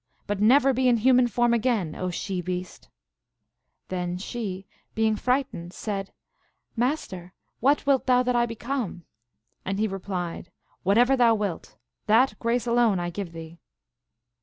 But never be in human form again, O she beast ! Then she, being frightened, said, "Master, what wilt thou that I become ?" And he replied, " What ever thou wilt ; that grace alone I give thee."